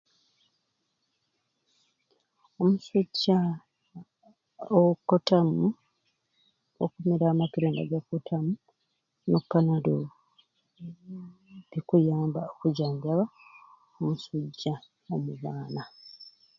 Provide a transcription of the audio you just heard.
Omusujja o kotamu okumira amakerenda ga kotamu n'opanado bikuyamba okujanjaba omusujja omu baana.